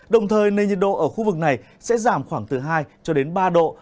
đồng thời nền nhiệt độ ở khu vực này sẽ giảm khoảng từ hai cho đến ba độ